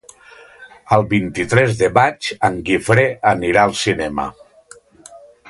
El vint-i-tres de maig en Guifré anirà al cinema.